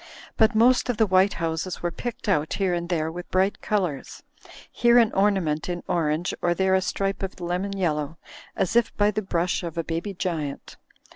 But most of the white houses were picked out here and there with bright colours, here an ornament in orange or there a stripe of lemon yellow, as if by the brush of a baby giant.